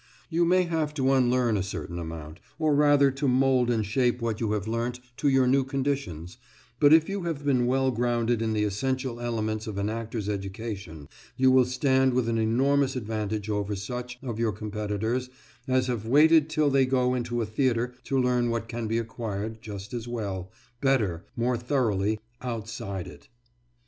You may have to unlearn a certain amount, or rather to mould and shape what you have learnt to your new conditions, but if you have been well grounded in the essential elements of an actor's education, you will stand with an enormous advantage over such of your competitors as have waited till they go into a theatre to learn what can be acquired just as well, better, more thoroughly, outside it.